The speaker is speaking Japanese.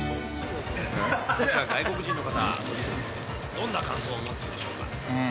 外国人の方、どんな感想を持つんでしょうか。